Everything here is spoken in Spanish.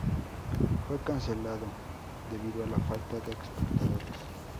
Fue cancelado debido a la falta de espectadores.